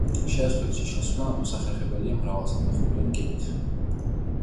შესასვლელში შესვლა მოსახერხებელია მრავალსაფეხურიანი კიბით.